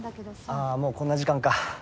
ああもうこんな時間か。